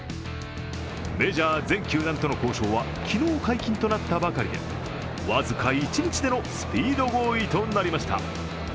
メジャー全球団との交渉は昨日解禁となったばかりで、僅か１日でのスピード合意となりました。